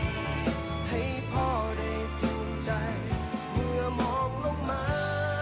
ให้พ่อได้ภูมิใจเมื่อมองลงมา